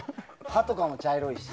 歯とかも茶色いし。